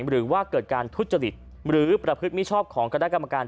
หรือว่าเกิดการทุจริตหรือประพฤติมิชอบของคณะกรรมการ